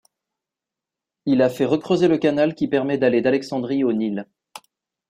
Il a fait recreuser le canal qui permet d'aller d'Alexandrie au Nil.